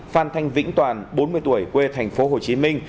phan thanh vĩnh toàn bốn mươi tuổi quê thành phố hồ chí minh